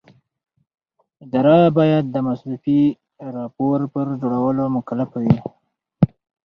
اداره باید د مصرفي راپور په جوړولو مکلفه وي.